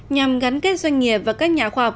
nhằm gắn kết doanh nghiệp và các nhà khoa học